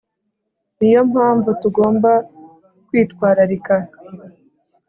Niyo mpamvu tugomba kwitwararika